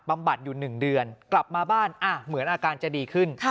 บัดอยู่๑เดือนกลับมาบ้านเหมือนอาการจะดีขึ้น